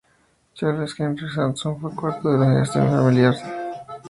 Charles-Henri Sanson fue el cuarto de una dinastía familiar de verdugos oficiales.